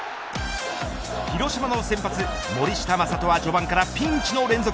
広島の先発、森下暢仁は序盤からピンチの連続。